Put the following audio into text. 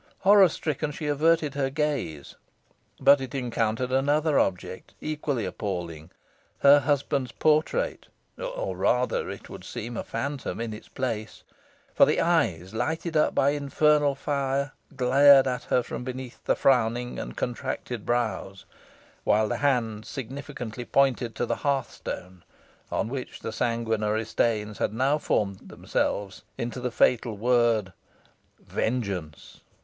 Horror stricken, she averted her gaze, but it encountered another object, equally appalling her husband's portrait; or rather, it would seem, a phantom in its place; for the eyes, lighted up by infernal fire, glared at her from beneath the frowning and contracted brows, while the hand significantly pointed to the hearthstone, on which the sanguinary stains had now formed themselves into the fatal word "VENGEANCE!"